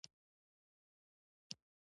لومړی لومړۍ ړومبی